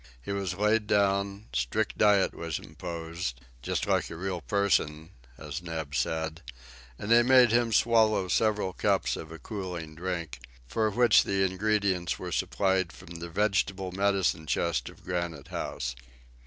He was laid down, strict diet was imposed, "just like a real person," as Neb said, and they made him swallow several cups of a cooling drink, for which the ingredients were supplied from the vegetable medicine chest of Granite House.